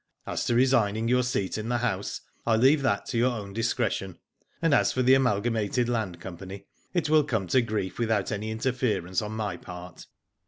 As to resigning your seat in the House I leave that to your own discretion, and as for the Amalgamated Land Company, it will come to grief without any interference on my part.